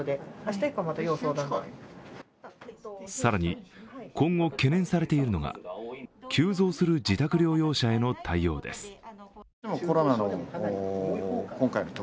更に、今後懸念されているのが急増する自宅療養者への対応です。